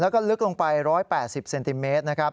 แล้วก็ลึกลงไป๑๘๐เซนติเมตรนะครับ